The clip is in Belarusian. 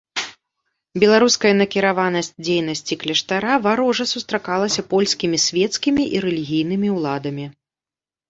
Беларуская накіраванасць дзейнасці кляштара варожа сустракалася польскімі свецкімі і рэлігійнымі ўладамі.